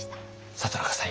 里中さん